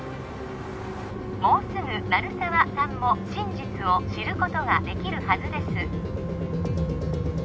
もうすぐ鳴沢さんも真実を知ることができるはずです